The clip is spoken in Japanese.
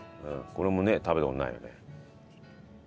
これもね食べた事ないよね。